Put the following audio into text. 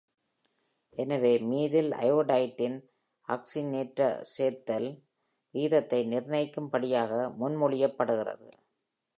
எனவே மீதில் அயோடைட்டின் ஆக்ஸிஜனேற்ற சேர்த்தல் விகிதத்தை நிர்ணயிக்கும் படியாக முன்மொழியப்படுகிறது.